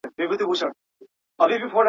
مستي مو توبې کړې تقدیرونو ته به څه وایو.